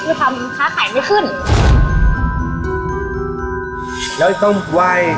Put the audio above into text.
อยากวะทุกวัน